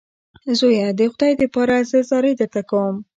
زویه د خدای دپاره زه زارۍ درته کوم.